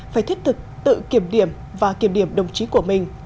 phải thiết thực tự kiểm điểm và kiểm điểm đồng chí của mình